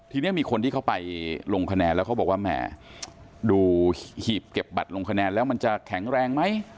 ทีนี้มีคนที่เขาไปลงคะแนนแล้วเขาบอกว่าแหมดูหีบเก็บบัตรลงคะแนนแล้วมันจะแข็งแรงไหม